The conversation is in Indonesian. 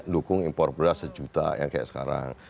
dukung impor beras sejuta yang kayak sekarang